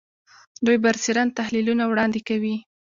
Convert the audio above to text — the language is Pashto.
دوی برسېرن تحلیلونه وړاندې کوي